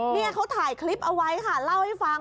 นี่เขาถ่ายคลิปเอาไว้ค่ะเล่าให้ฟัง